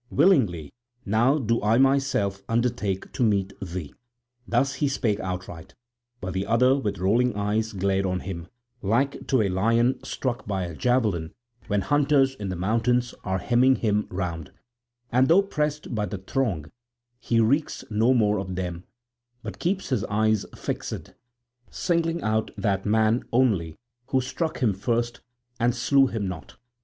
Willingly now do I myself undertake to meet thee." Thus he spake outright; but the other with rolling eyes glared on him, like to a lion struck by a javelin when hunters in the mountains are hemming him round, and, though pressed by the throng, he reeks no more of them, but keeps his eyes fixed, singling out that man only who struck him first and slew him not.